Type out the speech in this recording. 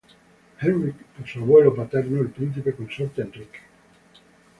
Henrik por su abuelo paterno, el príncipe consorte Enrique.